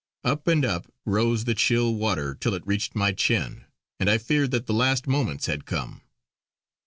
Up and up rose the chill water till it reached my chin, and I feared that the last moments had come.